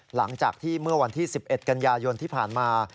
หลังจากที่เมื่อวันที่๑๑กันยายนที่ผ่านมา